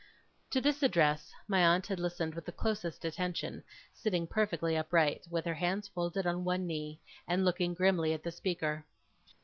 To this address, my aunt had listened with the closest attention, sitting perfectly upright, with her hands folded on one knee, and looking grimly on the speaker.